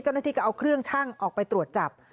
เจ้าหน้าที่ก็เอาเครื่องชั่งออกไปตรวจจับ